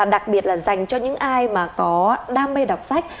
đặc biệt là dành cho những ai mà có đam mê đọc sách